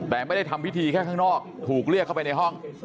แต่ไม่ได้ทำพิธีแค่ข้างนอกถูกเรียกเข้าไปในห้อง